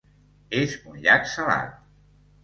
És un llac salat.